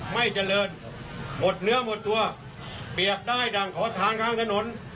ไม่เจริญหมดเนื้อหมดตัวเปียกได้ดั่งขอทานข้างถนน